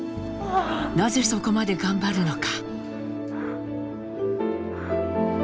なぜそこまで頑張るのか。